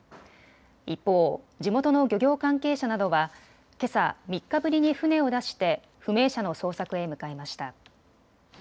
一方、地元の漁業関係者などはけさ３日ぶりに船を出して不明者の捜索へ向かいました。